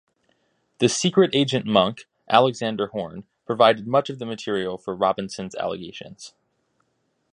The secret agent monk, Alexander Horn provided much of the material for Robison's allegations.